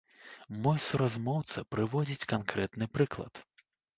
Мой суразмоўца прыводзіць канкрэтны прыклад.